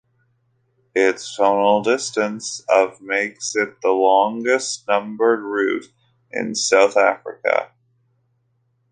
Its total distance of makes it the longest numbered route in South Africa.